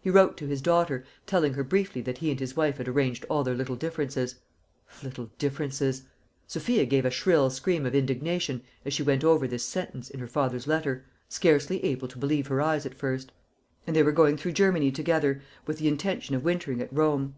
He wrote to his daughter, telling her briefly that he and his wife had arranged all their little differences little differences! Sophia gave a shrill scream of indignation as she went over this sentence in her father's letter, scarcely able to believe her eyes at first and they were going through Germany together with the intention of wintering at Rome.